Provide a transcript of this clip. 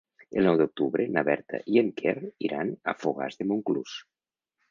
El nou d'octubre na Berta i en Quer iran a Fogars de Montclús.